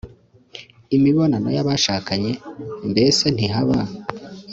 imibonano y'abashakanye? mbese ntihaba